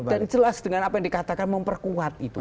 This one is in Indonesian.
jelas dengan apa yang dikatakan memperkuat itu